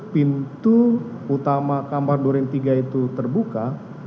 pintu utama kamar durian tiga itu terbuka